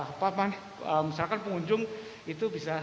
apa apa nih misalkan pengunjung itu bisa